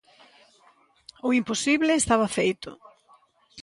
O imposible estaba feito.